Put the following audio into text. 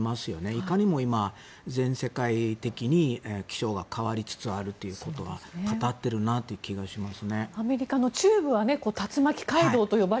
いかにも今、全世界的に気象が変わりつつあるということを語っているなという気がします。